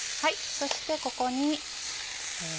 そしてここに。